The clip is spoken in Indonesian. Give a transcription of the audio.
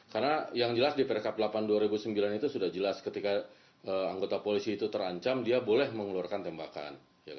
karena yang jelas di perkap delapan dua ribu sembilan itu sudah jelas ketika anggota polisi itu terancam dia boleh mengeluarkan tembakan